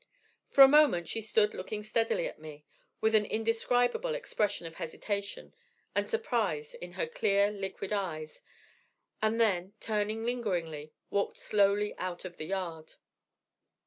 For a moment she stood looking steadily at me, with an indescribable expression of hesitation and surprise in her clear, liquid eyes, and then, turning lingeringly, walked slowly out of the yard.